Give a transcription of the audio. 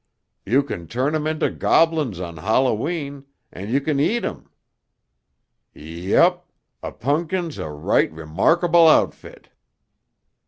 You can turn 'em into goblins on Halloween, and you can eat 'em. Yep. A punkin's a right remarkable outfit."